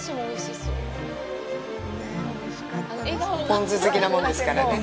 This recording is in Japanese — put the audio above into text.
ポン酢好きなものですからね。